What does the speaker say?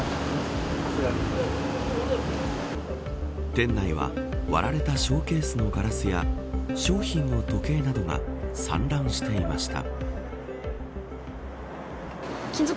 店内は割られたショーケースのガラスや商品の時計などが散乱していました。